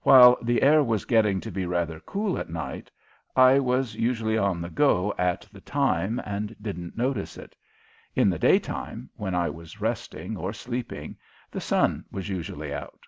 While the air was getting to be rather cool at night, I was usually on the go at the time and didn't notice it. In the daytime, when I was resting or sleeping, the sun was usually out.